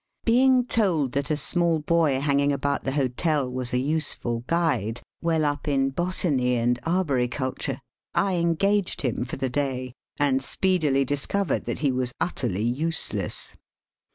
Being told that a small hoy hanging about the hotel was a useful guide, well up in botany and arboriculture, I engaged him for the day, and speedily discovered that he was utterly useless.